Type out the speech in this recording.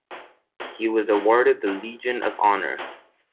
He was awarded the Legion of Honor.